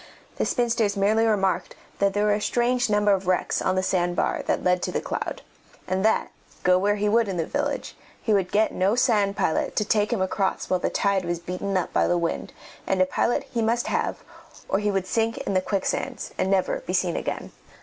The spinsters merely remarked that there were a strange number of wrecks on the sand bar that led to The Cloud, and that, go where he would in the village, he would get no sand pilot to take him across while the tide was beaten up by the wind, and a pilot he must have, or he would sink in the quicksands and never be seen again.